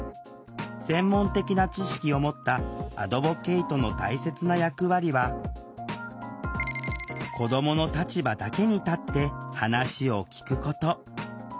専門的な知識を持ったアドボケイトの大切な役割は子どもの立場だけに立って話を聴くこと。